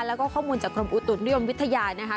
แล้วก็ข้อมูลจากกรมอุตุนิยมวิทยานะคะ